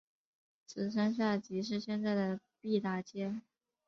此山下即是现在的毕打街。